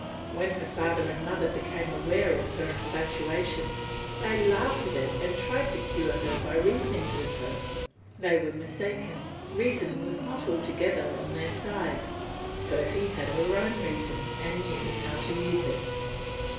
When her father and mother became aware of her infatuation, they laughed at it and tried to cure her by reasoning with her. They were mistaken, reason was not altogether on their side; Sophy had her own reason and knew how to use it.